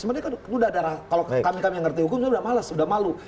sebenarnya kan sudah ada kalau kami kami yang mengerti hukum sudah malas sudah malu